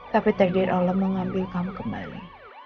tapi takdir allah mengambil kamu kembali